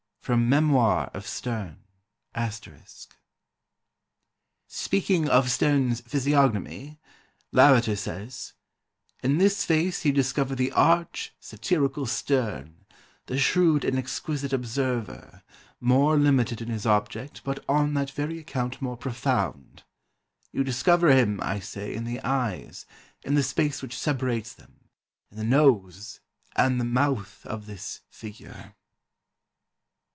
'" [Sidenote: Memoir of Sterne. *] "Speaking of Sterne's physiognomy, Lavater says, 'In this face you discover the arch, satirical Sterne, the shrewd and exquisite observer, more limited in his object, but on that very account more profound, you discover him, I say, in the eyes, in the space which separates them, in the nose and the mouth of this figure.